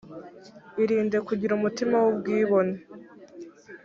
irinde kugira umutima w’ubwibone